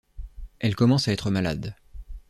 Elle commence à être malade.